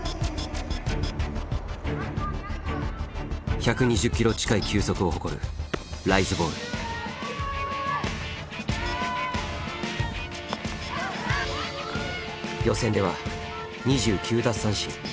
１２０キロ近い球速を誇る予選では２９奪三振。